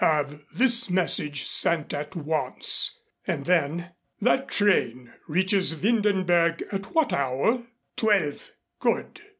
"Have this message sent at once." And then, "That train reaches Windenberg at what hour?" "Twelve." "Good.